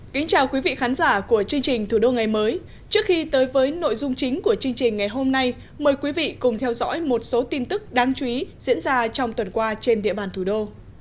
xin chào quý vị khán giả của chương trình thủ đô ngày mới trước khi tới với nội dung chính của chương trình ngày hôm nay mời quý vị cùng theo dõi một số tin tức đáng chú ý diễn ra trong tuần qua trên địa bàn thủ đô